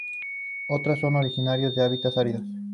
Otras son originarias de hábitats áridos.